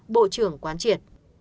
bộ trưởng quán triệt